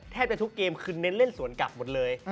แทบจะทุกเกมคือเน้นเล่นสวนกลับหมดเลย